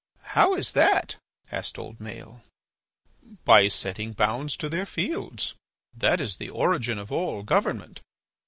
"How is that?" asked old Maël. "By setting bounds to their fields. That is the origin of all government.